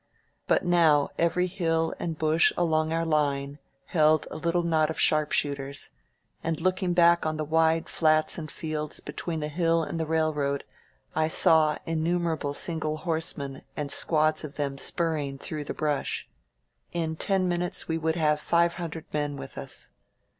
But now every hill and bush along our line held a little knot of sharpshooters, and looking back on the wide flats and fields between the hill and the railroad, I saw innumerable single horsemen and squads of them spur ring through the brush. In ten minutes we would have five hundred men with us.